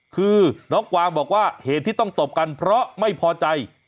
คือน้องกวางบอกว่าเหตุที่ต้องตบกันเพราะไม่พอใจ